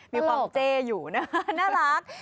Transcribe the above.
มีความเจ้อยู่นะคะน่ารัก